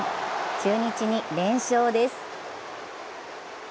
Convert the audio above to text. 中日に連勝です。